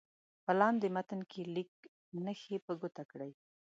په لاندې متن کې لیک نښې په ګوته کړئ.